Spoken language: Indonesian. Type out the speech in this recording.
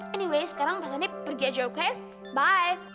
anyway sekarang pak salif pergi aja oke bye